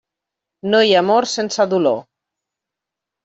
No hi ha amor sense dolor.